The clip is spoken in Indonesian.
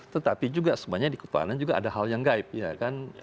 tetapi juga sebenarnya di ketahanan juga ada hal yang gaib ya kan